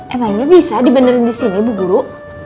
emangnya bisa dibanderin disini bu guru